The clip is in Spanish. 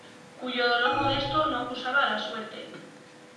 Cuyo dolor modesto no acusaba a la suerte.